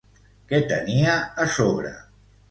Què tenia a sobre?